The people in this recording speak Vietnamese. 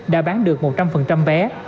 đã bán được một trăm linh vé